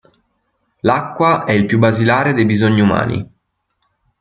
L'acqua è il più basilare dei bisogni umani.